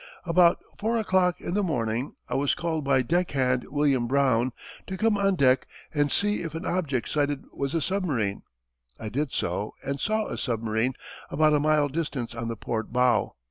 "About 4 o'clock in the morning I was called by Deckhand William Brown to come on deck and see if an object sighted was a submarine. I did so, and saw a submarine about a mile distant on the port bow.